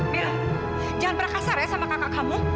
bilang jangan pernah kasar ya sama kakak kamu